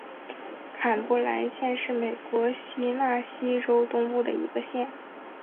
坎伯兰县是美国田纳西州东部的一个县。